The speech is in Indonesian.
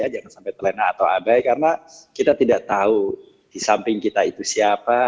jangan sampai terlena atau abai karena kita tidak tahu di samping kita itu siapa